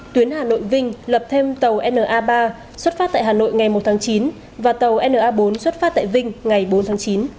tuyến hà nội vinh lập thêm tàu na ba xuất phát tại hà nội ngày một tháng chín và tàu na bốn xuất phát tại vinh ngày bốn tháng chín